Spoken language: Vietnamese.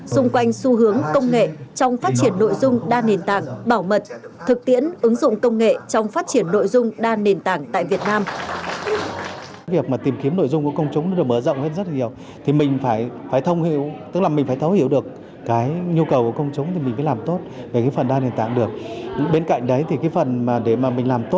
dung quanh xu hướng công nghệ trong phát triển nội dung đa nền tảng bảo mật thực tiễn ứng dụng công nghệ trong phát triển nội dung đa nền tảng tại việt nam